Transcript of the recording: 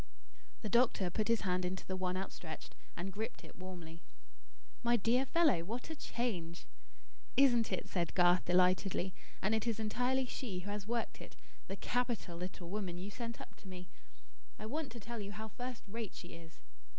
The doctor put his hand into the one outstretched, and gripped it warmly. "My dear fellow! What a change!" "Isn't it?" said Garth delightedly. "And it is entirely she who has worked it, the capital little woman you sent up to me. I want to tell you how first rate she is."